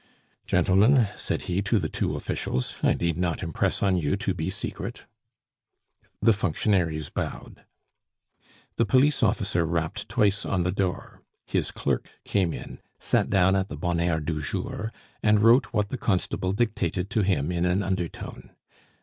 "Gentlemen," said he to the two officials, "I need not impress on you to be secret." The functionaries bowed. The police officer rapped twice on the door; his clerk came in, sat down at the "bonheur du jour," and wrote what the constable dictated to him in an undertone.